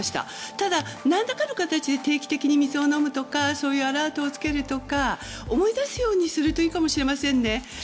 ただ、何らかの形で定期的に水を飲むとかアラートをつけるとか思い出すようにするといいかもしれませんね。